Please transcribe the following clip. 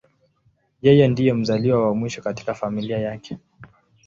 Yeye ndiye mzaliwa wa mwisho katika familia yake.